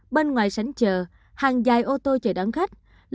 bên ngoài sảnh chờ hàng dài ô tô chở đón khách